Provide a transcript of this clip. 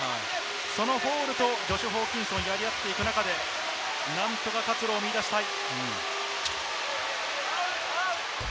そのフォールとジョシュ・ホーキンソン、やり合っていた中で、何とか活路を見出したい。